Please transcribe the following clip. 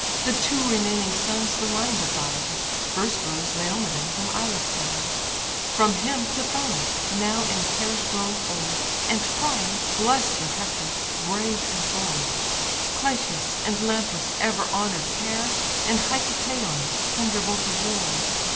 The two remaining sons the line divide: First rose Laomedon from Ilus' side; From him Tithonus, now in cares grown old, And Priam, bless'd with Hector, brave and bold; Clytius and Lampus, ever honour'd pair; And Hicetaon, thunderbolt of war.